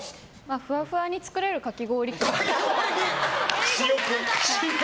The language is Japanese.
ふわふわに作れるかき氷器が。